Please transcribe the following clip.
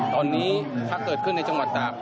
ตอนนี้ถ้าเกิดขึ้นในจังหวัดตาก